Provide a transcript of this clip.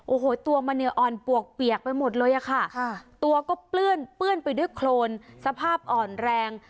โอ้โหตัวมันเนี่ยอ่อนปวกเปียกไปหมดเลยอะค่ะตัวก็เปื้อนเปื้อนไปด้วยโครนสภาพอ่อนแรง